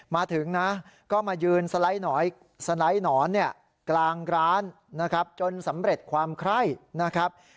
มาถึงนะก็มายืนสังดังน้อยสนัดหนอนเนี่ยกลางร้านนะครับจนสำเร็จความคล่ายนะครับ